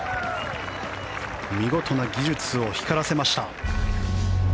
見事な技術を光らせました。